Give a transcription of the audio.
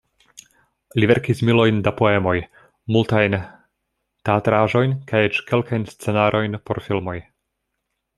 Li verkis milojn da poemoj, multajn teatraĵojn, kaj eĉ kelkajn scenarojn por filmoj.